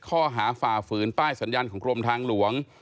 และข้อหาฝ่าฝืนป้ายสัญญาณของกรมทางหลวง